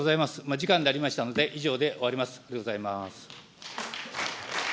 時間になりましたので、以上で終わります。